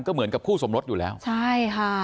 ก็เหมือนกับคู่สมรสอยู่แล้วใช่ค่ะ